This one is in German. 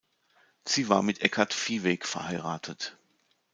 Sie war mit Eckart Viehweg verheiratet.